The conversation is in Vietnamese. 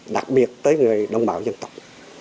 đặc biệt tới người đồng bào dân tộc